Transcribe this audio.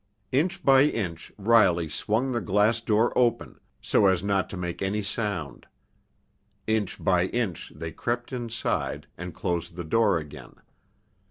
Inch by inch Riley swung the glass door open, so as not to make any sound. Inch by inch they crept inside and closed the door again.